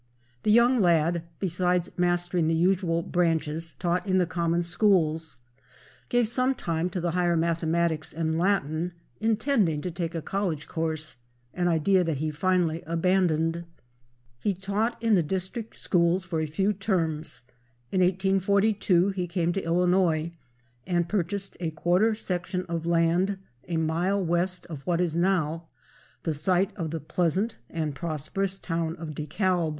The young lad, besides mastering the usual branches taught in the common schools, gave some time to the higher mathematics and Latin, intending to take a college course, an idea that he finally abandoned. He taught in the district schools for a few terms. In 1842 he came to Illinois and purchased a quarter section of land a mile west of what is now the site of the pleasant and prosperous town of DeKalb.